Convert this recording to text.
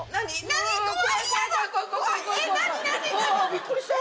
びっくりした！